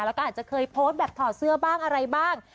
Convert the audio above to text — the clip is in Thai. แล้วก็อาจจะเคยโพสต์แบบถอดเสื้อบ้างอะไรบ้าง